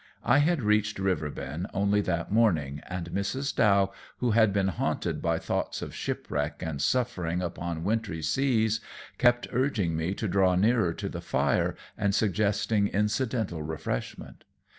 I had reached Riverbend only that morning, and Mrs. Dow, who had been haunted by thoughts of shipwreck and suffering upon wintry seas, kept urging me to draw nearer to the fire and suggesting incidental refreshment.